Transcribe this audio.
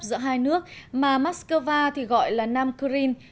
giữa hai nước mà moscow gọi là nam kyrin